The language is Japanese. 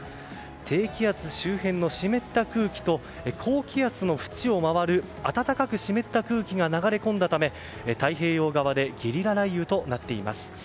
低気圧周辺の湿った空気と高気圧の縁を回る暖かく湿った空気が流れ込んだため太平洋側でゲリラ雷雨となっています。